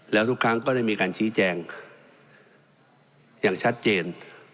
แล้วทุกครั้งก็ได้มีการชี้แจงอย่างชัดเจน